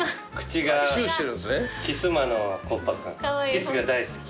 キスが大好き。